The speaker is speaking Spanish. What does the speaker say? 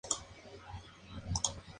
Crece en Texas.